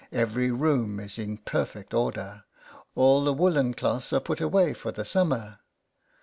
Every room is in perfect order; all the w r oollen clothes are put away for the summer.